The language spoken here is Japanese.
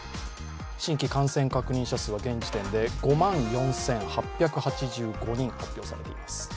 新規感染確認者数は現時点で５万４８８５人発表されています。